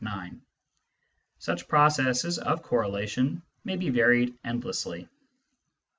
Such processes of correlation may be varied endlessly.